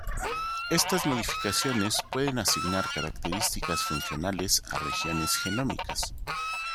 Estas modificaciones pueden asignar características funcionales a regiones genómicas.